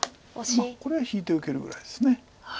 これは引いて受けるぐらいです。